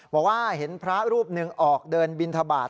บอกว่าเห็นพระรูปหนึ่งออกเดินบินทบาท